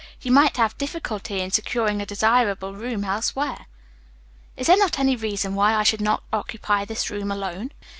You might have difficulty in securing a desirable room elsewhere." "Is there any reason why I should not occupy this room alone?"